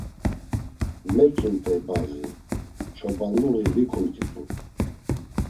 Metzumt̆ey bazi çobanluği vikumt̆itu.